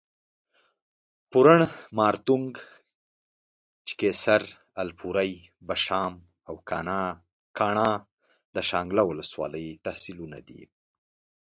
پورڼ، مارتونګ، چکېسر، الپورۍ، بشام او کاڼا د شانګله اولس والۍ تحصیلونه دي